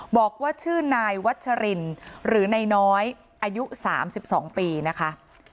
บอกว่าชื่อนายวัชรินหรือนายน้อยอายุ๓๒ปีนะคะ